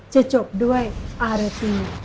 จะจบด้วยอารตี